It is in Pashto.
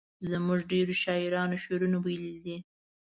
زموږ ډیرو شاعرانو شعرونه ویلي دي.